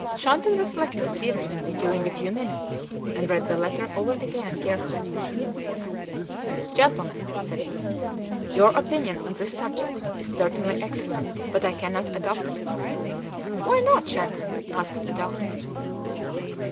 Shandon reflected seriously during a few minutes, and read the letter over again carefully. "Gentlemen," said he, "your opinion on this subject is certainly excellent, but I cannot adopt it." "Why not, Shandon?" asked the doctor.